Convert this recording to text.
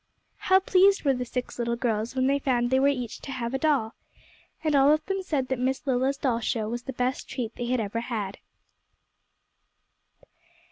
How pleased were the six little girls when they found they were each to have a doll! And all of them said that Miss Lilla's doll show was the best treat they had ever had.